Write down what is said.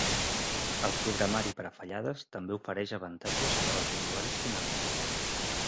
El programari per a fallades també ofereix avantatges per als usuaris finals.